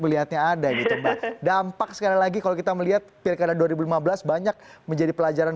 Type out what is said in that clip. melihatnya ada gitu mbak dampak sekali lagi kalau kita melihat pilkada dua ribu lima belas banyak menjadi pelajaran